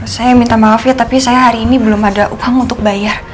saya minta maaf ya tapi saya hari ini belum ada uang untuk bayar